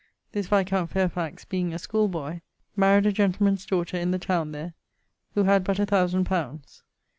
This viscount Fairfax, being a schooleboy, maried a gentleman's daughter in the towne there, who had but a thousand pounds.